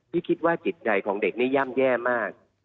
คิดว่าจิตใจของเด็กนี่ย่ำแย่มาก